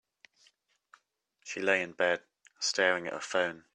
She lay in bed, staring at her phone.